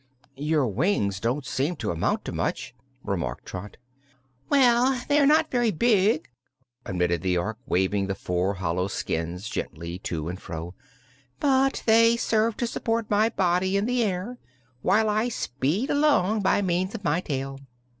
"Your wings don't seem to amount to much," remarked Trot. "Well, they are not very big," admitted the Ork, waving the four hollow skins gently to and fro, "but they serve to support my body in the air while I speed along by means of my tail.